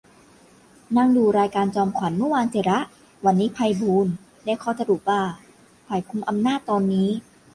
นั่งดูรายการจอมขวัญ เมื่อวาน สิระ วันนี้ ไพบูลย์ ได้ข้อสรุปว่า ฝ่ายกุมอำนาจตอนนี้